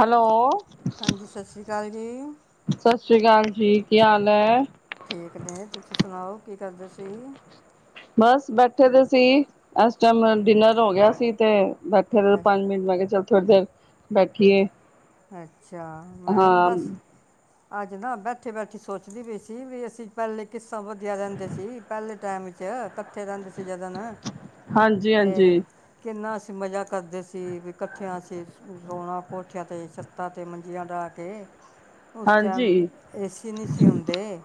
Hello. ਹਾਂਜੀ ਸਤਿ ਸ਼੍ਰੀ ਅਕਾਲ ਜੀ। ਸਤਿ ਸ੍ਰੀ ਅਕਾਲ ਜੀ ਕੀ ਹਾਲ ਐ? ਠੀਕ ਨੇ, ਤੁਸੀਂ ਸੁਣਾਓ ਕੀ ਕਰਦੇ ਸੀ? ਬਸ ਬੈਠੇ ਤੇ ਸੀ ਇਸ ਟਾਈਮ ਡਿਨਰ ਹੋ ਗਿਆ ਸੀ ਤੇ ਬੈਠੇ ਅ ਪੰਜ ਮਿੰਟ ਮੈਂ ਕਿਹਾ ਚੱਲ ਥੋੜੀ ਦੇਰ ਬੈਠੀਏ। ਅੱਛਾ ਮੈਂ ਵੀ ਹਾਂ ਬਸ, ਅੱਜ ਨਾ ਬੈਠੇ-ਬੈਠੇ ਸੋਚਦੀ ਪਈ ਸੀ ਵੀ ਅਸੀਂ ਪਹਿਲੇ ਕਿੱਸਾ ਵਧੀਆ ਰਹਿੰਦੇ ਸੀ, ਪਹਿਲੇ ਟਾਈਮ 'ਚ ਕੱਠੇ ਰਹਿੰਦੇ ਸੀ ਜਦਨ। ਹਾਂਜੀ ਹਾਂਜੀ ਤੇ ਕਿੰਨਾ ਅਸੀਂ ਮਜ਼ਾ ਕਰਦੇ ਸੀ, ਵੀ ਇਕੱਠਿਆਂ ਅਸੀਂ ਸੋਣਾ ਕੋਠਿਆਂ ਤੇ ਛੱਤਾਂ ਤੇ ਮੰਜੀਆਂ ਡਾਹ ਕੇ ਉਸ ਟਾਈਮ ਹਾਂਜੀ ਏ ਸੀ ਨਹੀਂ ਸੀ ਹੁੰਦੇ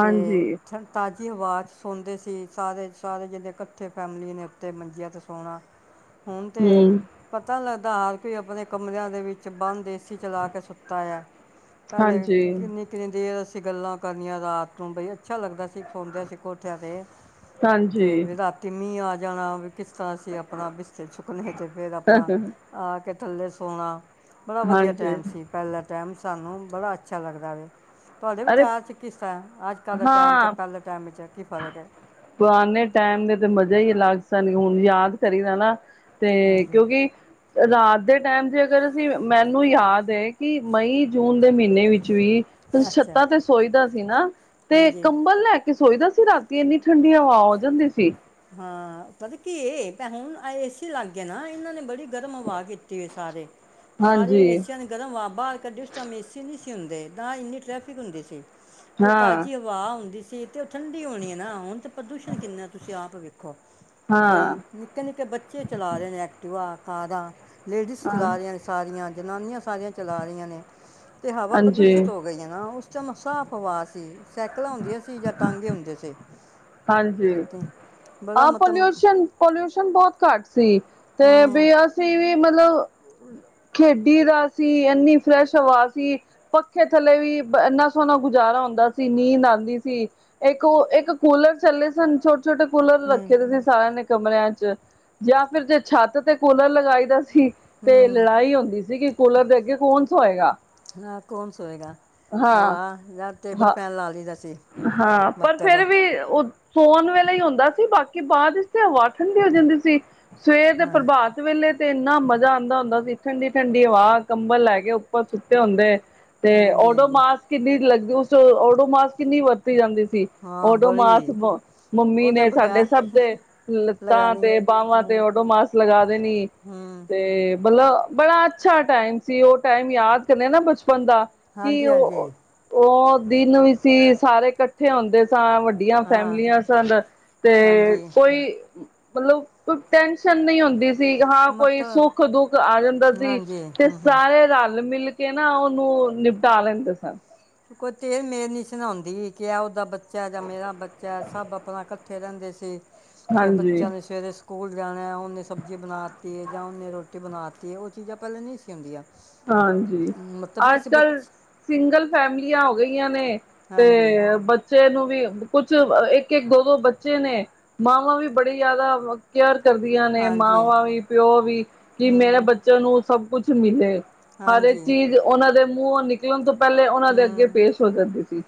ਤੇ ਠ ਤਾਜ਼ੀ ਹਵਾ 'ਚ ਸੌਦੇ ਸੀ, ਸਾਰੇ-ਸਾਰੇ ਜਿਹੜੇ ਇਕੱਠੇ ਫੈਮਲੀ ਨੇ ਉੱਤੇ ਮੰਜੀਆਂ ਤੇ ਸੌਣਾ [inaudible] ਹੁਣ ਤੇ ਹਮ ਪਤਾ ਲੱਗਦਾ, ਹਰ ਕੋਈ ਆਪਣੇ ਕਮਰਿਆਂ ਦੇ ਵਿੱਚ ਬੰਦ ਏ ਸੀ ਚਲਾ ਕੇ ਸੁੱਤਾ ਐ, ਪਹਿਲੇ ਹਾਂਜੀ ਕਿੰਨੀ ਕੁ ਤੇ ਜੇ ਅਸੀਂ ਗੱਲਾਂ ਕਰਨੀਆਂ ਰਾਤ ਨੂੰ ਬਈ ਅੱਛਾ ਲੱਗਦਾ ਸੀ, ਸੌਦਿਆਂ ਸੀ ਕੋਠਿਆ ਤੇ ਤੇ ਹਾਂਜੀ ਵੀ ਰਾਤੀ ਮੀਂਹ ਆ ਜਾਣਾ, ਵੀ ਕਿਸ ਤਰ੍ਹਾਂ ਅਸੀ ਆਪਣਾ ਬਿਸਤੇ ਛੁ ਕੁਣੇ ਤੇ ਫਿਰ ਆਪਣਾ ਆ ਕੇ ਥੱਲੇ ਸੋਣਾ, ਬੜਾ ਵਧੀਆ ਹਾਂਜੀ ਟਾਈਮ ਸੀ। ਪਹਿਲਾਂ ਟਾਈਮ ਸਾਨੂੰ ਬੜਾ ਅੱਛਾ ਲਗਦਾ ਵੇ। ਤੁਹਾਡੇ ਅਰੇ ਵਿਚਾਰ 'ਚ ਕਿਸ਼ ਤਰਾਂ, ਅੱਜ-ਕੱਲ੍ਹ ਦਾ ਟੈਂਮ ਤੇ ਹਾਂ ਪਹਿਲੇ ਟੈਂਮ 'ਚ ਕੀ ਫਰਕ ਐ। ਪੁਰਾਣੇ ਟਾਈਮ ਦੇ ਤੇ ਮਜ਼ੇ ਈ ਅਲੱਗ ਸਨ, ਹੁਣ ਯਾਦ ਕਰੀ ਦਾ ਨਾ ਤੇ ਹਾਂਜੀ ਕਿਉਂਕਿ, ਰਾਤ ਦੇ ਟੈਂਮ ਤੇ ਅਗਰ ਅਸੀਂ ਮੈਨੂੰ ਯਾਦ ਐ ਕਿ ਮਈ-ਜੂਨ ਦੇ ਮਹੀਨੇ ਵਿੱਚ ਵੀ ਤੁ ਛੱ ਅੱਛਾ ਤਾਂ ਤੇ ਸੋਈ ਦਾ ਸੀ ਨਾ ਤੇ ਹਾਂਜੀ ਕੰਬਲ ਲੈ ਕੇ ਕੀ ਸੋਚਦਾ ਸੀ ਰਾਤੀ ਇੰਨੀ ਠੰਡੀ ਹਵਾ ਹੋ ਜਾਂਦੀ ਸੀ। ਹਾਂ, ਪਤਾ ਕੀ ਏ ਭੈ ਹੁਣ ਐਹ ਏ ਸੀ ਲਗਗੇ ਨਾ, ਇਹਨਾਂ ਨੇ ਬੜੀ ਗਰਮ ਹਵਾ ਕੀਤੀ ਐ ਸਾਰੇ। ਸਾਰੇ ਹਾਂਜੀ ਏਸੀਆ ਨੇ ਗਰਮ ਹਵਾ ਬਾਹਰ ਕੱਢੀ। ਉਸ ਟਾਈਮ ਏ ਸੀ ਨਹੀਂ ਸੀ ਹੁੰਦੇ, ਨਾ ਇੰਨੀ ਟ੍ਰੈਫਿਕ ਹੁੰਦੀ ਸੀ ਤੇ ਹਾਂ ਤਾਜ਼ੀ ਹਵਾ ਹਵਾ ਹੁੰਦੀ ਸੀ ਤੇ ਉਹ ਠੰਡੀ ਹੋਣੀ ਹੈਨਾ, ਹੁਣ ਤੇ ਪ੍ਰਦੂਸ਼ਣ ਕਿੰਨਾ ਤੁਸੀਂ ਆਪ ਵੇਖੋ। ਹਾਂ ਬਈ ਨਿੱਕੇ-ਨਿੱਕੇ ਬੱਚੇ ਚਲਾ ਰਹੇ ਨੇ ਐਕਟਿਵਾ, ਕਾਰਾਂ, ਲੇਡੀਸ ਹਾਂ ਚਲਾ ਰੀਆਂ ਨੇ ਸ ਸਾਰੀਆਂ, ਜਨਾਨੀਆਂ ਸਾਰੀਆਂ ਚਲਾ ਰਹੀਆਂ ਨੇ ਤੇ ਹਵਾ ਹਾਂਜੀ ਪ੍ਰਦੂਸ਼ਿਤ ਹੋ ਗ‌ਈ ਏ ਨਾ, ਉਸ ਟਾਈਮ ਸਾਫ਼ ਹਵਾ ਸੀ, ਸਾਈਕਲਾਂ ਹੁੰਦੀਆਂ ਸੀ ਜਾਂ ਟਾਂਗੇ ਹੁੰਦੇ ਸੀ। ਹਾਂਜੀ। ਤੇ ਬੜਾ ਆਹ ਮਤਲਬ ਪਲਿਊਸ਼ਨ-ਪਲਿਊਸ਼ਨ ਬਹੁਤ ਘੱਟ ਸੀ ਤੇ ਬੀ ਅ ਸੀ ਵੀ ਮਤਲਬ, ਖੇਡੀ ਦਾ ਸੀ, ਐਨੀ ਫਰੈਸ਼ ਹਵਾ ਸੀ। ਪੱਖੇ ਥੱਲੇ ਵੀ ਇੰਨਾ ਸੋਹਣਾ ਗੁਜ਼ਾਰਾ ਹੁੰਦਾ ਸੀ, ਨੀਂਦ ਆਂਦੀ ਸੀ। ਇੱਕ ਉਹ ਇੱਕ ਕੂਲਰ ਚੱਲੇ ਸਨ, ਛੋਟੇ-ਛੋਟੇ ਕੂਲਰ ਰੱਖੇ ਦੇ ਸੀ ਸਾਰਿਆਂ ਨੇ ਕਮਰਿਆਂ 'ਚ, ਜਾਂ ਫਿਰ ਜੇ ਛੱਤ ਤੇ ਕੂਲਰ ਲਗਾਈ ਦਾ ਤੇ ਲੜਾਈ ਹੁੰਦੀ ਸੀ ਕਿ ਕੂਲਰ ਦੇ ਅੱਗੇ ਕੌਣ ਸੋਏਗਾ। ਨਾ ਕੌਣ ਸੋਏਗਾ, ਹਾਂ ਹਵਾ ਜਾਂ ਟੇਬਲ ਹਾਂ ਫ਼ੈਨ ਲਾ ਲਈਦਾ ਸੀ। ਹਾਂ, ਪਰ ਮਤਲਬ ਫਿਰ ਵੀ ਉਹ ਸੋਨ ਵੇਲੇ ਈ ਹੁੰਦਾ ਸੀ, ਬਾਕੀ ਬਾਅਦ 'ਚ ਤੇ ਹਵਾ ਠੰਡੀ ਹੋ ਜਾਂਦੀ ਸੀ। ਸਵੇਰ ਦੇ ਹਾਂਜੀ ਪ੍ਰਭਾਤ ਵੇਲੇ ਤੇ ਇੰਨਾ ਮਜ਼ਾ ਆਂਦਾ ਹੁੰਦਾ ਸੀ, ਠੰਡੀ-ਠੰਡੀ ਹਵਾ ਕੰਬਲ ਲੈ ਕੇ ਉੱਪਰ ਸੁ ਹੁੰਦੇ ਤੇ ਹਾਂਜੀ ਹਾਂਜੀ ਓਡੋਮਾਸ ਕਿੰਨੀ ਲੱਗ, ਉਸ ਓਡੋਮਾਸ ਕਿੰਨੀ ਵ ਤੀ ਜਾਂਦੀ ਸੀ, ਹਾਂ ਓਡੋਮਾਸ, ਬੜੀ ਮੰਮੀ ਉਹਦੇ ਨੇ ਸਾਡੇ ਬਗੈਰ ਸਭ ਦੇ ਲੱਤਾਂ ਲਗਾਣੀ ਤੇ, ਬਾਵਾਂ ਹੂੰ ਤੇ, ਓਡੋਮਾਸ ਲਗਾ ਦੇਣੀ ਹੂੰ ਤੇ ਮਤਲਬ ਬੜਾ ਅੱਛਾ ਟਾਈਮ ਸੀ, ਉਹ ਟਾਈਮ ਯਾਦ ਕਰਨੇ ਨਾ ਬਚਪਨ ਦਾ, ਕਿ ਹਾਂਜੀ ਹਾਂਜੀ ਉਹ ਉਹ ਦਿਨ ਵੀ ਸੀ, ਸਾਰੇ ਇਕੱਠੇ ਹੁੰਦੇ ਸਾਂ ਵੱਡੀਆ ਹਾਂ ਫੈਮਲੀਆਂ ਸਨ ਤੇ ਹਾਂਜੀ ਕੋਈ ਮਲਬ ਕੋਈ ਟੈਨਸ਼ਨ ਨਹੀਂ ਹੁੰਦੀ ਸੀ, ਹਾਂ ਕੋਈ ਮਤਲਬ ਸੁੱਖ-ਦੁੱਖ ਆ ਜਾਂਦਾ ਸੀ ਹਾਂਜੀ ਤੇ ਹੂੰ ਹੂੰ ਸਾਰੇ ਰਲ ਮਿਲ ਕੇ ਨਾ ਉਹਨੂੰ ਨਿਪਟਾ ਲੈਂਦੇ ਸਨ। ਕੋਈ ਤੇਰ ਮੇਰ ਨਹੀਂ ਸੀ ਨਾ ਹੋਂਦੀ ਕਿ ਏਦਾ ਬੱਚਾ ਜਾਂ ਮੇਰਾ ਬੱਚਾ ਸਭ ਆਪਣਾ ਇਕੱਠੇ ਰਹਿੰਦੇ ਸੀ। ਤੇ ਹਾਂਜੀ ਬੱਚਿਆਂ ਨੇ ਸਵੇਰੇ- ਸਕੂਲ ਜਾਣਾ ਉਨੇ ਸਬਜ਼ੀ ਬਣਾ ਦਿੱਤੀ ਜਾਂ ਉਨੇ ਰੋਟੀ ਬਣਾ ਦਿੱਤੀ ਉਹ ਚੀਜ਼ਾਂ ਪਹਿਲੇ ਨਹੀਂ ਸੀ ਹੋਂਦੀਆ ਹਾਂਜੀ। ਅੱਜ ਕੱਲ ਸਿੰਗਲ ਫੈਮਲੀਆਂ ਹੋ ਗਈਆਂ ਨੇ ਹਾਂਜੀ ਤੇ- ਬੱਚੇ ਨੂੰ ਵੀ ਕੁਛ ਇੱਕ ਇੱਕ ਦੋ ਦੋ ਬੱਚੇ ਨੇ ਮਾਵਾਂ ਵੀ ਬੜੀ ਜਿਆਦਾ ਕੇਅਰ ਕਰਦੀਆਂ ਨੇ ਹਾਂਜੀ ਮਾਵਾਂ ਵੀ ਪਿਓ ਵੀ ਕਿ ਮੇਰੇ ਹੂੰ ਬੱਚਿਆਂ ਨੂੰ ਸਭ ਕੁਛ ਮਿਲੇ। ਹਰ ਇੱਕ ਹਾਂਜੀ ਚੀਜ਼ ਉਹਨਾਂ ਦੇ ਮੂੰਹੋਂ ਨ ਉਹ ਤੋਂ ਪਹਿਲੇ ਉਹਨਾਂ ਦੇ ਅੱਗੇ ਹੂੰ ਪੇਸ਼ ਹੋ ਜਾਂਦੇ ਸੀ।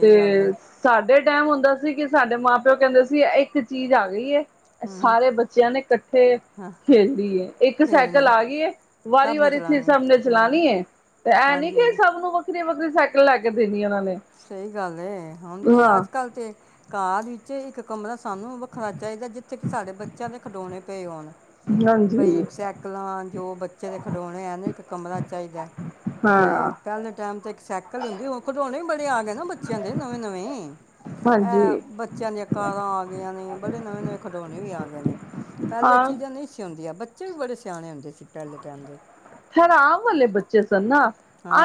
ਤੇ ਗੱਲ ਹੈ ਸਾਡੇ ਟਾਈਮ ਹੁੰਦਾ ਸੀ ਕਿ ਸਾਡੇ ਮਾਂ ਪਿਓ ਕਹਿੰਦੇ ਸੀ ਇੱਕ ਚੀਜ਼ ਆ ਗਈ ਹੈ। ਹੂੰ ਸਾਰੇ ਬੱਚਿਆਂ ਨੇ ਇਕੱਠੇ ਹਾਂ ਖੇਲਨੀ ਇੱਕ ਸਾਈਕਲ ਖੇਡਣੀ ਆ ਗਈ ਹੈ। ਵਾਰੀ ਸਭ ਨੇ ਵਾਰੀ ਚਲਾਉਣੀ ਸਭ ਨੇ ਹੂੰ ਚਲਾਣੀ ਹੈ। ਤੇ ਇਹ ਨੀ ਹਾਂਜੀ ਕਿ ਹਾਂਜੀ ਸਭ ਨੂੰ ਵੱਖਰੀਆਂ ਵੱਖਰੀ ਸਾਈਕਲ ਲੈ ਕੇ ਦੇਣੀ ਉਹਨਾਂ ਨੇ ਸਹੀ ਗੱਲ ਏ। ਹੁਣ ਤੇ ਹਾਂ ਅੱਜ ਕੱਲ ਤੇ ਕਾਰ ਵਿੱਚ ਇੱਕ ਕਮਰਾ ਸਾਨੂੰ ਵੱਖਰਾ ਚਾਹੀਦਾ। ਜਿੱਥੇ ਕਿ ਸਾਡੇ ਬੱਚਿਆਂ ਦੇ ਖਿਡੌਣੇ ਪਏ ਹੋਣ। ਬਈ ਹਾਂਜੀ ਸਾਈਕਲਾਂ ਜੋ ਬੱਚੇ ਦੇ ਖਿਡੋਣੇ ਹੈ ਨਾ ਇੱਕ ਕਮਰਾ ਚਾਹੀਦਾ। ਹਾਂ ਤੇ ਪਹਿਲੇ ਟਾਈਮ ਤੇ ਏਕ ਸਾਇਕਲ ਹੋਂਦੀ ਹੁਣ ਖਿਡੌਣੇ ਤੇ ਆ ਗਏ ਨਾ ਬੱਚਿਆਂ ਦੇ ਨਵੇਂ ਨਵੇਂ ਅਹ ਹਾਂਜੀ ਬ ਬਚਿਆ ਦਿਆ ਕਾਰਾ ਆ ਗਈਆਂ ਨੇ ਬੜੇ ਨਵੇਂ ਨਵੇਂ ਖਿਡੌਣੇ ਵੀ ਆ ਗਏ ਨੇ ਪਹਿਲੇ ਇਹ ਹਾਂ ਚੀਜ਼ਾਂ ਨਹੀਂ ਸੀ ਹੋਦੀਆਂ ਬੱਚੇ ਵੀ ਬੜੇ ਸਿਆਣੇ ਹੁੰਦੇ ਸੀ ਪਹਲੇ ਟਾਈਮ ਦੇ ਹੈਰਾਮ ਵਾਲੇ ਬੱਚੇ ਸਨ ਨਾ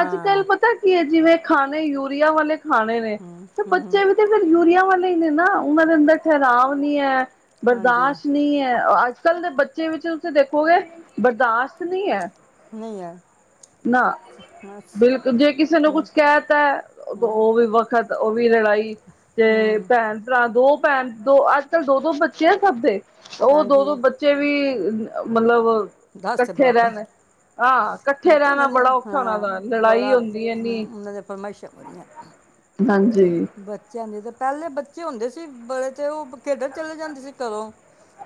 ਅੱਜ ਕੱਲ ਪਤਾ ਕੀ ਹੈ ਜਿਵੇਂ ਖਾਣੇ ਯੂਰੀਆ ਵਾਲੇ ਖਾਣੇ ਨੇ ਹੂੰ ਤੇ ਹੂੰ ਹੂੰ, ਬੱਚੇ ਵੀ ਤੇ ਯੂਰੀਆਂ ਵਾਲੇ ਹੀ ਨੇ ਨਾ ਉਹਨਾਂ ਦੇ ਅੰਦਰ ਠਹਿਰਾਵ ਨਹੀਂ ਹੈ ਹਾਂਜੀ ਬਰਦਾਸ਼ਤ ਨਹੀਂ ਹੈ। ਅੱਜ ਕੱਲ ਦੇ ਬੱਚੇ ਵਿੱਚ ਤੁਸੀਂ ਦੇਖੋਗੇ ਬਰਦਾਸ਼ਤ ਨਹੀਂ ਹੈ। [unintelligible] ਨਾ ਬਸ ਬਿਲਕੁਲ ਜੇ ਕਿਸੇ ਨੂੰ ਹੂੰ ਕੁਛ ਕਹਿ ਤ ਹੈ ਉਹ ਵੀ ਵੱਖਤ ਉਹ ਵੀ ਲੜਾਈ ਤੇ ਹੂੰ ਭੈਣ ਭਰਾ ਦੋ ਭੈਣ ਦੋ ਅੱਜ ਕੱਲ ਦੋ ਦੋ ਬੱਚੇ ਆ ਸਭ ਦੇ ਉਹ ਦੋ ਦੋ ਹਾਂਜੀ ਬੱਚੇ ਵੀ ਮਤਲਬ ਦੇ ਇਕੱਠੇ ਬਰਾਬਰ ਰਹਿਣ ਹਾਂ ਮਤਲਬ ਥੇਰਾਂ ਉਹਨਾਂ ਨਾਲ ਦੀਆਂ ਬੜਾ ਔਖਾ ਉਹਨਾਂ ਹਾਂ ਦਾ ਲੜਾਈ ਬੜਾ ਹੁੰਦੀ ਇਨੀ ਹਮ, ਉਹਨਾਂ ਦੇ ਫਰਮਾਇਸ਼ਾਂ ਬੜੀਆਂ ਹਾਂਜੀ ਬੱਚਿਆਂ ਦੇ ਤੇ ਪਹਿਲੇ ਬੱਚੇ ਹੁੰਦੇ ਸੀ ਬੜੇ ਤੇ ਉਹ ਖੇਡਣ ਚਲੇ ਜਾਂਦੇ ਸੀ ਕਦੋਂ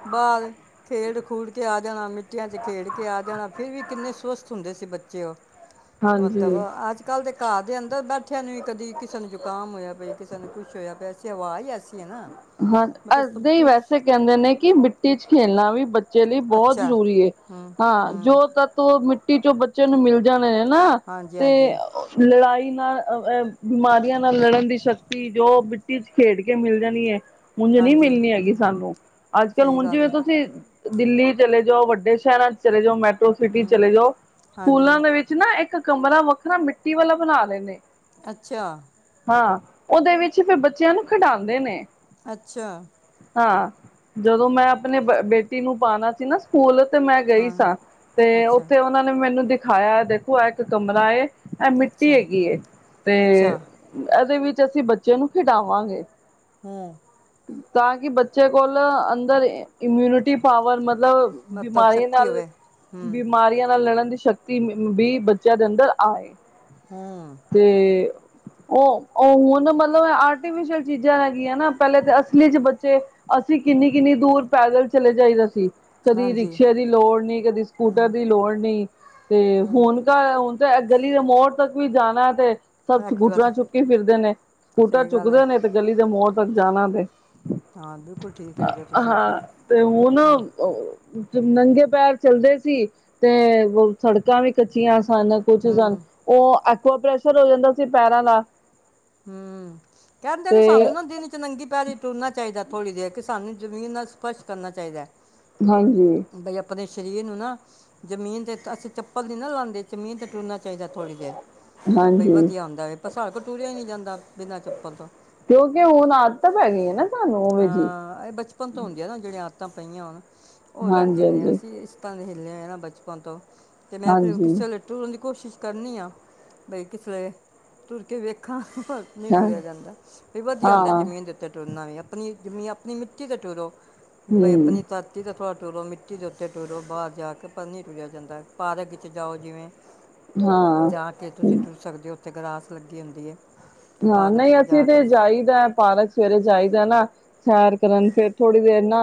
ਬਾਹਰ ਖੇਡ ਖੂਡ ਕੇ ਆ ਜਾਣਾ ਮਿੱ ਛੁਟੀਆਂ ਚ ਖੇਡ ਕੇ ਆ ਜਾਣਾ ਫੇਰ ਵੀ ਕਿੰਨੇ ਸੁਵਸਥ ਹੁੰਦੇ ਸੀ ਬੱਚੇ ਉਹ ਮਤਲਬ ਹਾਂਜੀ ਅੱਜ ਕੱਲ ਦੇ ਘਰ ਦੇ ਅੰਦਰ ਬੈਠਿਆਂ ਨੂੰ ਕਦੀ ਕਿਸੇ ਨੂੰ ਜ਼ੁਕਾਮ ਹੋਇਆ ਬਈ ਕਿਸੇ ਨੂੰ ਕੁੱਛ ਹੋਇਆ ਪਿਆਸੀਂ ਹਵਾ ਹੀ ਐਸੀ ਹੈ ਨਾ ਹਾਂ ਅ ਮਤਲਬ ਨੀ ਪ੍ਰਦੂਸ਼ ਵੈਸੇ ਕਹਿੰਦੇ ਨੇ ਕਿ ਮਿੱਟੀ ਚ ਖੇਲਣਾ ਵੀ ਬੱਚੇ ਲਈ ਬਹੁਤ ਅੱਛਾ ਜ਼ਰੂਰੀ ਹੈ ਹੂੰ ਹਾਂ ਜੋ ਹੂੰ ਤ ਤੂੰ ਮਿੱਟੀ ਚੋਂ ਬੱਚੇ ਨੂੰ ਮਿਲ ਜਾਣੇ ਨੇ ਹਨ ਨਾ ਹਾਂਜੀ ਤੇ ਹਾਂਜੀ ਲੜਾਈ ਨਾਲ ਅ ਬਿਮਾਰੀਆਂ ਨਾਲ ਲੜਨ ਦੀ ਸ਼ਕਤੀ ਜੋ ਮਿੱਟੀ ਚ ਖੇਡ ਕੇ ਮਿਲ ਜਾਣੀ ਹੈ। ਮੁੂੰਜ ਨਹੀਂ ਹਾਂਜੀ ਮਿਲਣੀ ਹੈਗੀ ਸਾਨੂੰ ਅੱਜ ਸਹੀ ਕੱਲ੍ਹ ਗੱਲ ਜੀਵੇਂ ਹੈ ਤੁਸੀਂ ਦਿੱਲੀ ਚਲੇ ਜਾਓ ਵੱਡੇ ਸ਼ਹਿਰਾਂ ਚ ਚਲੇ ਜਾਓ ਮੈਟਰੋ ਸਿਟੀ ਹੂੰ ਚਲੇ ਜਾਓ ਹਾਂਜੀ ਸਕੂਲਾਂ ਦੇ ਵਿੱਚ ਨਾ ਇੱਕ ਕਮਰਾ ਵੱਖਰਾ ਮਿੱਟੀ ਵਾਲਾ ਬਣਾ ਲੈਂਣੇ ਅੱਛਾ ਹਾਂ, ਉਦੇ ਵਿੱਚ ਫਿਰ ਬੱਚਿਆਂ ਨੂੰ ਖਡਾੰਦੇ ਨੇ। ਅੱਛਾ। ਹਾਂ, ਜਦੋਂ ਮੈਂ ਆਪਣੇ ਬ ਬੇਟੀ ਨੂੰ ਪਾਣਾ ਸੀ ਨਾ ਸਕੂਲ ਤੇ ਮੈਂ ਗਈ ਹਾਂ ਸਾਂ ਤੇ ਅੱਛਾ ਉੱਥੇ ਉਨਾਂ ਨੇ ਮੈਨੂੰ ਦਿਖਾਇਆ ਦੇਖੋ ਆ ਇੱਕ ਕਮਰਾ ਏ ਐ ਮਿੱਟੀ ਅੱਛਾ ਹੈਗੀ ਏ, ਤੇ ਅੱਛਾ ਐਦੇ ਵਿੱਚ ਅਸੀਂ ਬੱਚਿਆਂ ਨੂੰ ਖਿਡਾਵਾਂਗੇ। [unintelligible] ਤਾਂ ਕਿ ਬੱਚੇ ਕੋਲ ਅੰਦਰ ਇਮਿਊਨਿਟੀ ਪਾਵਰ ਮਤਲਬ ਮਤਲਬ ਬਿਮਾਰੀਆਂ ਸ਼ਕਤੀ ਨਾਲ ਹੋਵੇ ਹੂੰ ਬਿਮਾਰੀਆਂ ਨਾਲ ਲੜਨ ਦੀ ਸ਼ਕ ਤੀ ਬੀ ਬੱਚਿਆਂ ਦੇ ਅੰਦਰ ਆਏ। ਹਮ। ਤੇ ਔ-ਔ ਹੁਣ ਮਤਲਬ ਆਰਟੀਫਿਸ਼ਲ ਚੀਜ਼ਾਂ ਦਾ ਕੀ ਏਨਾ ਅਸਲੀ 'ਚ ਬੱਚੇ ਅਸੀਂ ਕਿੰਨੀ-ਕਿੰਨੀ ਦੂਰ ਪੈਦਲ ਚਲੇ ਜਾਈਦਾ ਸੀ। ਕਦੀ ਹਾਂਜੀ ਰਿਕਸ਼ੇ ਦੀ ਲੋੜ ਨੀ ਕਦੀ ਸਕੂਟਰ ਹੂੰ ਦੀ ਲੋੜ ਨੀ ਤੇ ਹੂੰ ਹੁਨ [unintelligible] ਹੁਣ ਤਾਂ ਗਲੀ ਦੇ ਮੋੜ ਤੱਕ ਵੀ ਜਾਣਾ ਏਤੇ ਸਬ ਐਕਟਿਵਾ 'ਤੇ ਸਕੂਟਰਾਂ ਚੁੱਕੀ ਫਿਰਦੇ ਨੇ ਸਕੂਟਰ ਸਹੀ ਗੱਲ ਹੈ ਚੁੱਕਦੇ ਨੇ ਤੇ ਗਲੀ ਦੇ ਮੋਰ ਤੱਕ ਜਾਣਾ ਤੇ। ਹਾਂ ਬਿਲਕੁਲ ਠੀਕ ਕਹਿ ਰਹੇ ਹੋ ਤੁਸੀਂ ਹਾਂ ਤੇ [unintelligible] ਜ ਨੰਗੇ ਪੈਰ ਚੱਲਦੇ ਸੀ ਤੇ ਸੜਕਾਂ ਵੀ ਕੱਚੀਆਂ ਸਨ ਕੁਛ ਸਨ ਹੂੰ ਔ ਐਕੁਆ ਪ੍ਰੈਸ਼ਰ ਹੋ ਜਾਂਦਾ ਸੀ ਪੈਰਾਂ ਦਾ। ਹਮ-ਮ-ਮ ਕਹਿੰਦੇ ਤੇ ਨੇ ਸਾਨੂੰ ਨਾ ਦਿਨ 'ਚ ਨੰਗੀ ਪੈਰੀ ਟੁਰਨਾ ਚ ਈਦਾ ਥੋੜ੍ਹੀ ਦੇਰ ਕਿ ਸਾਨੂੰ ਜ਼ਮੀਨ ਨਾਲ ਸਪਸ਼ ਕਰਨਾ ਚਾਈਦਾ। ਹਾਂਜੀ। ਬਈ ਆਪਨੇ ਸ਼ਰੀਰ ਨੂੰ ਨਾ ਜ਼ਮੀਨ ਤੇ ਅਸੀਂ ਚੱਪਲ ਨੀ ਨਾ ਲਾਂਦੇ ਜ਼ਮੀਨ ਤੇ ਟੁਰਨਾ ਚਾਹੀਦਾ ਥੋੜ੍ਹੀ ਦੇਰ। ਬਈ ਹਾਂਜੀ ਵਧੀਆ ਹੁੰਦਾ ਏ, ਪਰ ਸਾਡੇ ਤੋਂ ਟੂਰਿਆ ਈ ਨਈ ਜਾਂਦਾ ਬਿਨਾਂ ਚੱਪਲ ਤੋਂ। ਕਿਉਂਕਿ ਹੁਨ ਆਦਤਾਂ ਪੈ ਗਈ ਨਾ ਤੁਾਨੂੰ ਉਵੇ ਜੀ। ਹਾਂ, ਐ ਬਚ ਪਨ ਤੋਂ ਹੁੰਦੀਆਂ ਨਾ ਜੇੜੀਆਂ ਆਦਤਾਂ ਪਈਆਂ ਹੋਨ। ਔ ਹਾਂਜੀ, ਰੇਦੀਆਂ ਨੇ ਹਾਂਜੀ, ਅਸੀਂ ਇਸ ਤਰ੍ਹਾਂ ਦੇ ਹਿੱਲੇ ਹੋਏ ਨਾ ਬਚਪਨ ਤੋਂ ਤੇ ਮੈਂ ਫਿਰ ਹਾਂਜੀ, ਕਿਸੇ ਵੇਲੇ ਤੁਰਨ ਦੀ ਕੋਸ਼ਿਸ਼ ਕਰਨੀ ਆ ਬਈ ਕਿਸ ਵੇਲੇ ਤੁਰ ਕੇ ਵੇਖਾਂ ਨਹੀਂ ਹਾਂ, ਟੁਰਿਆ ਜਾਂਦਾ ਵੀ ਵਧੀਆ ਹੁੰਦਾ ਹਾਂ, ਜਮੀਨ ਦੇ ਉੱਤੇ ਟੁਰਨਾ ਵੀ ਆ ਆਪਣੀ ਜੰਮੀਂ, ਆਪਣੀ ਮਿੱਟੀ 'ਤੇ ਟੁਰੋ ਬਈ ਹੂੰ, ਆਪਣੀ [unintelligible] ਥੋੜਾ ਤੁਰੋ, ਮਿੱਟੀ ਦੇ ਉੱਤੇ ਟੁਰੋ, ਬਾਰ ਜਾ ਕੇ ਪਰ ਨੀ ਟੁਰਿਆ ਜਾਂਦਾ। ਪਾਰਕ 'ਚ ਜਾਓ ਜਿਵੇਂ ਹਾਂ। ਜਾ ਕੇ ਤੁਸੀਂ ਟੁਰ ਸਕਦੇ ਔ, ਉੱਥੇ ਗਰਾਸ ਲੱਗੀ ਹੁੰਦੀ ਏ। ਨਾ, ਨਈ ਅਸੀਂ ਤੇ ਜਾਈਦਾ ਪਾਰਕ ਸਵੇਰੇ ਜਾਈਦਾ ਨਾ ਸੈਰ ਕਰਨ, ਫਿਰ ਥੋੜ੍ਹੀ ਦੇਰ ਨਾ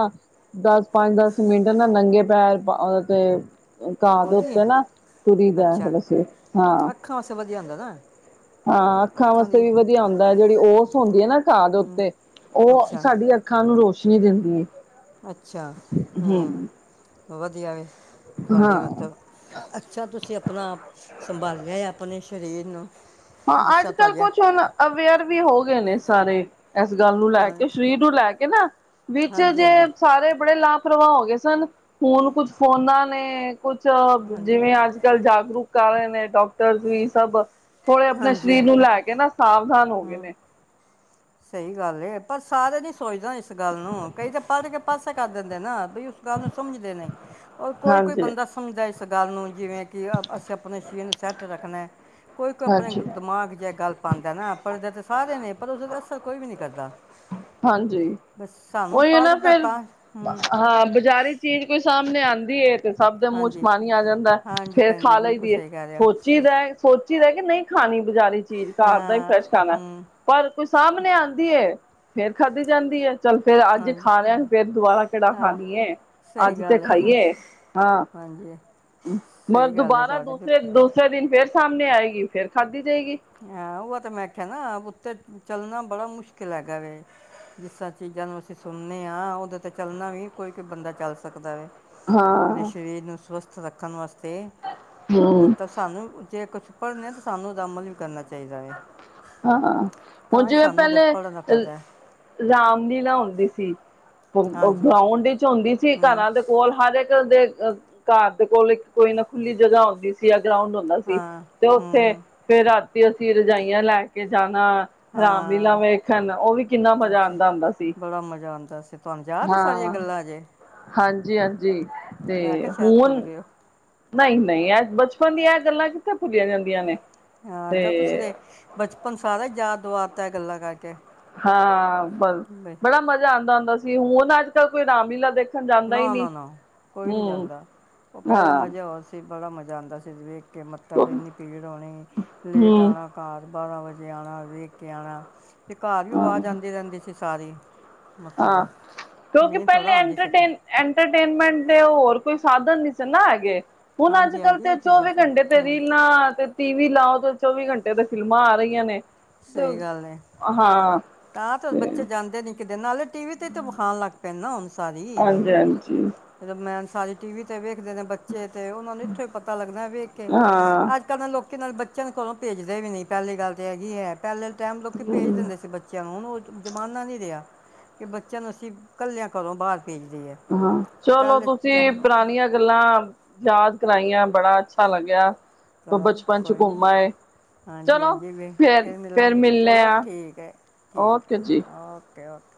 ਦਸ-ਪੰਜ-ਦਸ ਮਿੰਟ ਨਾ ਨੰਗੇ ਪੈਰ ਔਦੇ'ਤੇ ਕਾ ਦੇ ਟੁਰਦੀ ਹੈ ਉੱਤੇ ਨਾ ਤੁਰੀ ਦਾ ਅੱਛਾ ਫਿਰ ਅਸੀਂ ਹਾਂ। ਅੱਖਾਂ ਵਾਸਤੇ ਵਧੀਆ ਹੁੰਦਾ ਨਾ ਹਾਂ, ਅੱਖਾਂ ਵਾਸਤੇ ਵੀ ਵਧੀਆ ਹੁੰਦਾ ਏ ਜਿਹੜੀ ਔਸ ਹੁੰਦੀ ਏ ਨਾ ਘਾ ਦੇ ਹੂੰ ਉੱਤੇ, ਔ ਅੱਛਾ ਸਾਡੀ ਅ ਅੱਖਾਂ ਨੂੰ ਰੋਸ਼ਨੀ ਦਿੰਦੀ ਏ। ਅੱਛਾ, ਹੂੰ, ਵਧੀਆ ਵੇ ਤੁਹਾਡੇ ਹਾਂ, ਮਤਲਬ ਅੱਛਾ, ਤੁਸੀਂ ਆਪਣਾ ਆਪ ਸੰਭਾਲਿਆ ਹੋਯਾ ਆਪਣੇ ਸ਼ਰੀਰ ਨੂੰ। ਜਿਸ ਹਾਂ, ਅੱਜ ਤਰ੍ਹਾਂ - ਕੱਲ੍ਹ ਤੁਹਾਡੇ ਹਾਂ ਕੁਛ ਹੁਨ ਅਵੇਅਰ ਵੀ ਹੋ ਗਏ ਨੇ ਸਾਰੇ। ਐਸ ਗੱਲ ਨੂੰ ਲੈ ਕੇ, ਸ਼ਰੀਰ ਨੂੰ ਲੈ ਕੇ ਨਾ, ਵਿੱਚ ਹਾਂਜੀ ਜੇ ਹਾਂਜੀ ਸਾਰੇ ਬੜੇ ਲਾ ਪ੍ਰਵਾ ਹੋ ਗਏ ਸਨ, ਹੁਨ ਕੁੱਛ ਫੋਨਾਂ ਨੇ ਕੁਛ ਹਾਂਜੀ ਜਿਵੇਂ ਅੱਜ ਕਲ ਜਾਗਰੂਕ ਕਰ ਆਏ ਨੇ ਡਾਕਟਰਸ ਵੀ ਸਭ, ਥੋੜੇ ਆਪਣੇ ਹਾਂਜੀ ਸ਼ਰੀਰ ਨੂੰ ਲੈ ਕੇ ਨਾ ਸਾਵਧਾਨ ਹੋ ਗਏ ਹੂੰ ਨੇ। ਸਹੀ ਗੱਲ ਏ, ਪਰ ਸਾਰੇ ਨੀ ਸੋਚਦੇ ਇਸ ਗੱਲ ਨੂੰ। ਕਈ ਤਾਂ ਪੜ੍ਹ ਕੇ ਪਾਸੇ ਕਰ ਦਿੰਦੇ ਨਾ ਬਈ ਗੱਲ ਨੂੰ ਸਮਝਦੇ ਨਈ, ਔਰ ਕੋਈ-ਕੋਈ ਹਾਂਜੀ, ਬੰਦਾ ਸ ਸਮਝਦਾ ਇਸ ਗੱਲ ਨੂੰ ਜਿਵੇਂ ਕਿ ਅਸੀਂ ਆਪਨੇ ਸਰੀਰ ਨੂੰ ਸੈੱਟ ਰੱਖਨਾ ਐ। ਕੋਈ-ਕੋਈ ਆਪਣੇ ਹਾਂਜੀ, ਦਿਮਾਗ 'ਚ ਏ ਗੱਲ ਪਾਂਦੈ ਨਾ, ਪੜ੍ਹਦੇ ਤੇ ਸਾਰੇ ਨੇ ਪਰ ਉਸ ਉਤੇ ਅਸਰ ਕੋਈ ਵੀ ਨੀ ਕਰਦਾ। ਹਾਂਜੀ, ਬਸ ਸਾਨੂੰ ਓਈ ਏ ਨਾ ਪੜ੍ਹਨਾ ਫਿਰ ਤਾਂ ਹੂੰ ਹਾਂ ਬਾਜ਼ਾਰੀ ਚੀਜ਼ ਕੋਈ ਸਾਹਮਨੇ ਆਂਦੀ ਏ, ਤੇ ਸਭ ਦੇ ਮੂੰਹ 'ਚ ਹਾਂਜੀ ਪਾਣੀ ਆ ਜਾਂਦਾ ਐ ਹਾਂਜੀ ਫੇਰ ਹਾਂਜੀ ਖਾ ਲਈ ਬਿਲਕੁਲ ਦੀ ਏ। ਸਹੀ ਕਹਿ ਰਿਹਾ ਸੋਚੀ ਦਾ ਐ, ਸੋਚੀ ਦਾ ਐ ਕਿ ਨਈ ਖਾਨੀ ਬਜ਼ਾਰੀ ਚੀਜ਼, ਘਰ ਦਾ ਹੀ ਫਰੈਸ਼ ਹਾਂ ਖਾਨਾ ਐ। ਹੂੰ ਪਰ ਕੋਈ ਸਾਮਨੇ ਆਂਦੀ ਏ, ਫੇਰ ਖਾਧੀ ਜਾਂਦੀ ਏ। ਚੱਲ ਫੇਰ ਅੱਜ ਹਾਂਜੀ ਖਾ ਲਿਆ ਫੇਰ ਦੁਬਾਰਾ ਕੇੜਾ ਹਾਂ ਖਾਨੀ ਏ। ਸਹੀ ਅੱਜ ਤੇ ਗੱਲ ਹੈ ਖਾਈਏ ਹਾਂ, ਹਾਂਜੀ ਮਰ ਸਹੀ ਗੱਲ ਹੈ ਦੁਬਾਰਾ ਤੁਹਾਡੀ ਦੂਸਰੇ ਬਿਲਕੁਲ ਦੂਸ ਸਰੇ ਦਿਨ ਫੇਰ ਸਾਮਨੇ ਆਏਗੀ ਫੇਰ ਖਾਧੀ ਜਾਏਗੀ। ਹਾਂ ਉਵਾਂ ਤੇ ਮੈਂ ਆਖਿਆ ਨਾ ਉਤੇ ਚੱਲਨਾ ਬੜਾ ਮੁਸ਼ਕਿਲ ਹੈਗਾ ਵੇ। ਜਿਸ ਤਰ੍ਹਾਂ ਚੀਜ਼ਾਂ ਨੂੰ ਅਸੀਂ ਸੁਨਨੇ ਆ, ਓਦੇ ਤੇ ਚੱਲਣਾ ਵੀ ਕੋਈ-ਕੋਈ ਬੰਦਾ ਚੱਲ ਸਕਦਾ ਵੇ। ਅਪਨੇ ਹਾਂ ਸ਼ਰੀਰ ਨੂੰ ਸਵੱਸਥ ਰੱਖਨ ਵਾਸਤੇ, ਹੂੰ ਮਤਸ ਸਾਨੂੰ ਜੇ ਕੁਛ ਪੜ੍ਹਨੈ, ਤਾਂ ਸਾਨੂੰ ਓਦਾ ਅਮਲ ਵੀ ਕਰਨਾ ਚਾਈ ਹਾਂ, ਹੁਨ ਤਾਂ ਹੀ ਜਿਵੇਂ ਸਾਨੂੰ ਉਹਦੇ ਪਹਿਲੇ ਪੜ੍ਹਨ ਦਾ ਅ ਫਾਇਦਾ ਹੈ ਰਾਮ ਲੀਲਾ ਹੁੰਦੀ ਸੀ। ਓ ਹਾਂਜੀ ਗਰਾਊਂਡ 'ਚ ਹੁੰਦੀ ਸੀ, ਹੂੰ ਘਰਾਂ ਦੇ ਕੋਲ ਹਰ ਏਕ ਤੁਹਾਡੇ ਘਰ ਦੇ ਕੋਲ ਇੱਕ ਕੋਈ ਨਾ ਖੁੱਲੀ ਜਗ੍ਹਾ ਹੁੰਦੀ ਸੀ, ਯਾ ਗਰਾਉਂਡ ਹੁੰਦਾ ਸੀ ਹਾਂ ਤੇ ਹੂੰ ਓਥੇ ਹੂੰ ਫੇਰ ਰਾਤੀ ਅਸੀਂ ਰਜਾਈਆਂ ਲੈ ਕੇ ਜਾਨਾ, ਰਾਮ ਲੀਲਾ ਹਾਂ ਵੇਖ ਖਨ, ਓ ਵੀ ਕਿੰਨਾ ਮਜ਼ਾ ਅੱਛਾ ਆਂਦਾ ਹੁੰਦਾ ਸੀ। ਬੜਾ ਮਜ਼ਾ ਆਂਦਾ ਸੀ, ਤੁਆਨੁ ਯਾ ਹਾਂ, ਹਾਂਜੀ-ਹਾਂਜੀ, ਮੈਂ ਕਿਹਾ ਤੇ ਸ਼ਾਇਦ ਭੁੱਲ ਹੁਨ ਗਏ ਹੋ ਨਈ-ਨਈ, ਅੱਜ ਬਚਪਨ ਦੀਆਂ ਗੱਲਾਂ ਕਿੱਥੇ ਭੁੱਲੀਆਂ ਜਾਂਦ ਹਾਂ, ਜਦ ਤੁਸੀਂ ਤੇ ਬਚਪਨ ਸਾਰਾ ਯਾਦ ਦੁਆ ਤੈ ਐ ਗੱਲਾਂ ਕਰਕੇ। ਹਾਂ, ਬਈ ਬ-ਬੜਾ ਮਜ਼ਾ ਆਂਦਾ ਹੁੰਦਾ ਸੀ, ਹੁਨ ਅੱਜ-ਕੱਲ ਕੋਈ ਰਾਮਲੀਲਾ ਦੇਖ ਨਾ, ਨਾ, ਨਾ, ਕੋਈ ਨੀ ਜਾਂਦਾ, ਓ ਹੂੰ। ਪਹਿਲਾ ਮਜ਼ੇ ਹੋਰ ਸੀ। 'ਤੇ ਬੜਾ ਮਜ਼ਾ ਆਂਦਾ ਸੀ ਵੇਖ ਕੇ, ਮਤਲਬ ਇੰਨੀ ਭੀੜ ਹੋਣੀ, ਲੇਟ ਆਣਾ। ਘਰ ਬਾਰਾਂ ਵਜੇ ਆਣਾ ਵੇਖ ਕੇ ਆਣਾ ਤੇ ਘਰ ਵੀ ਆਵਾਜ਼ ਆਂਦੀ ਰਹਿੰਦੀ ਸੀ ਸਾਰੀ। ਹਾਂ, ਮਤਲਬ ਕਿਉਂਕਿ ਨੀਂਦ ਪਹਿਲੇ ਥੋੜ੍ਹਾ ਆਉਂਦੀ ਸੀ ਐਂਟਰਟੇਨ ਐੰਟਰਟੇਨਮੈਂਟ ਦੇ ਹੋਰ ਕੋਈ ਸਾਧਨ ਨਈ ਸੀ ਨਾ ਹੈਗੇ। ਹੁਨ ਹਾਂਜੀ ਅੱਜ-ਕੱਲ ਹਾਂਜੀ ਤੇ ਇਹ ਚੀਜ਼ਾਂ ਚੌਵੀ ਸੀ ਘੰਟੇ ਤੇ ਹੂੰ ਰੀਲਾਂ 'ਤੇ ਟੀ ਵੀ ਲਾਓ ਤੇ ਚੌਵੀ ਘੰਟੇ ਤੇ ਫਿਲਮਾਂ ਆ ਰਇਆਂ ਨੇ, ਤੇ ਸਹੀ ਗੱਲ ਹੈ ਹਾਂ ਤਾਂ ਤੇ ਹੁਨ ਬੱਚੇ ਜਾਂਦੇ ਨੀ ਕਿਦੇ ਨਾਲੇ ਟੀ ਵੀ ਤੇ ਵੀ ਵਖਾਨ ਲੱਗ ਪਏ ਨਾ ਹੁਨ ਸਾਰੀ। ਹਾਂਜੀ ਹਾਂਜੀ। ਰਮੈਨ ਸਾਰੀ ਟੀ ਵੀ 'ਤੇ ਵੇਖਦੇ ਨੇ ਬੱਚੇ ਤੇ ਓਨਾਂ ਨੂੰ ਇੱਥੋਂ ਹੀ ਪਤਾ ਲੱਗਦਾ ਵੇਖ ਕੇ ਹਾਂ ਅੱਜ ਕੱਲ ਲੋਕੀ ਨਾਲ ਬੱਚਿਆਂ ਨੂੰ ਘਰੋਂ ਭੇਜਦੇ ਵੀ ਨੀ ਪਹਿਲੀ ਗੱਲ ਤਾਂ ਹੈਗੀ ਐ ਪਹਿਲੇ ਟਾਈਮ ਲੋਕੀ ਭੇਜ ਦਿੰਦੇ ਸੀ ਬੱ ਬੱਚਿਆਂ ਨੂੰ ਹੁਨ ਓ ਜ਼ਮਾਨਾ ਨੀ ਰਿਹਾ ਕਿ ਬੱਚਿਆਂ ਨੂੰ ਅਸੀਂ ਕੱਲਿਆਂ ਘਰੋਂ ਬਾਰ ਭੇਜ ਦੀਏ। ਹਾਂ, ਚਲੋ ਤੁਸੀਂ ਪੁਰਾਨੀਆਂ ਗੱਲਾਂ ਯਾਦ ਕਰਾਈਆਂ ਬੜਾ ਅੱਛਾ ਲੱਗਿਆ ਤੇ ਬਚਪਨ 'ਚ ਘੁੰਮ ਆਏ। ਚਲੋ ਹਾਂਜੀ-ਹਾਂਜੀ ਫੇਰ ਫਿਰ ਫੇਰ ਮਿਲਾਂਗੇ ਮਿਲਣੇ ਚਲੋ ਆ ਠੀਕ ਏ, ਠੀਕ ਏ, ਓਕੇ ਜੀ। Okay okay.